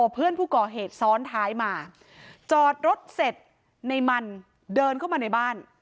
เพื่อนผู้ก่อเหตุซ้อนท้ายมาจอดรถเสร็จในมันเดินเข้ามาในบ้าน